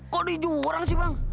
kok di jurang sih bang